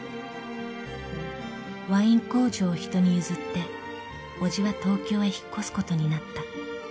［ワイン工場を人に譲って伯父は東京へ引っ越すことになった］